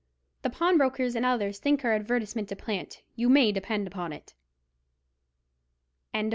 The pawnbrokers and others think our advertisement a plant, you may depend upon it" CHAPTER XLVI.